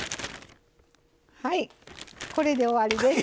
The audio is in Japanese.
はいこれで終わりです。